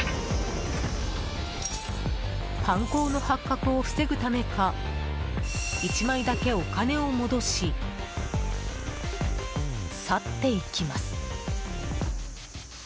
犯行の発覚を防ぐためか１枚だけお金を戻し去っていきます。